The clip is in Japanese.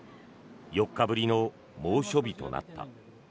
４日ぶりの猛暑日となった。